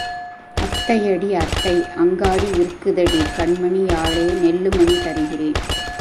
அத்தையடி அத்தை, அங்காடி விற்குதடி, கண்மணியாளே நெல்லுமணி தருகிறேன்.